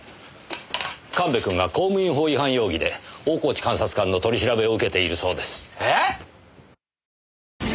神戸くんが公務員法違反容疑で大河内監察官の取り調べを受けているそうです。